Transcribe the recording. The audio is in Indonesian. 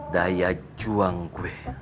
daya juang gue